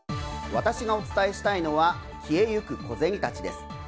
私がお伝えしたいのは消えゆく小銭たちです。